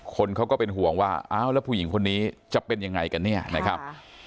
คนเขาก็เป็นห่วงว่าอ้าวแล้วผู้หญิงคนนี้จะเป็นยังไงกันเนี่ยนะครับ